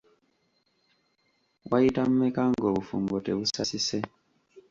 Wayita mmeka ng'obufumbo tebusasise?